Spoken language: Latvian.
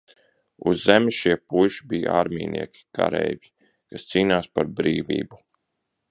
Uz Zemes šie puiši bija armijnieki, kareivji, kas cīnās par brīvību.